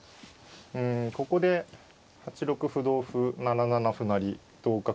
うんここで８六歩同歩７七歩成同角